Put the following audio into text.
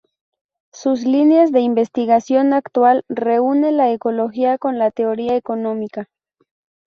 Sus línea de investigación actual reúne la ecología con la teoría económica.